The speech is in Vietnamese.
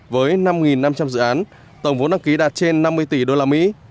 với năm năm trăm linh dự án tổng vốn đăng ký đạt trên năm mươi tỷ đô la mỹ